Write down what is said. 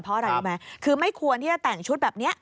เพราะอะไรรู้ไหมคือไม่ควรที่จะแต่งชุดแบบนี้